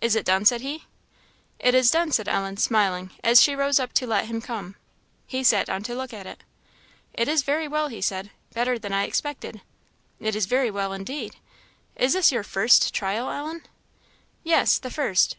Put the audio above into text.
"Is it done?" said he. "It is done," said Ellen, smiling, as she rose up to let him come. He sat down to look at it. "It is very well, he said "better than I expected it is very well indeed. Is this your first trial, Ellen?" "Yes the first."